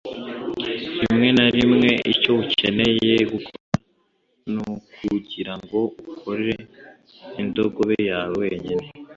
Rimwe na rimwe, icyo ukeneye gukora nukugirango ukore indogobe yawe wenyine